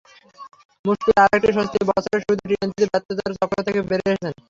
মুশফিকের আরও একটি স্বস্তি, বছরের শুরুতে টি-টোয়েন্টিতে ব্যর্থতার চক্র থেকে বেরিয়ে এসেছেন।